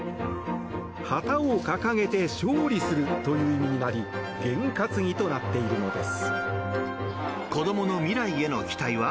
旗を掲げて勝利するという意味になり験担ぎとなっているのです。